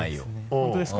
本当ですか？